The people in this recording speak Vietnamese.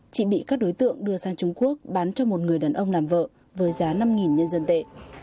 chị bị các đối tượng đưa sang trung quốc bán cho một người đàn ông làm vợ với giá năm nhân dân tệ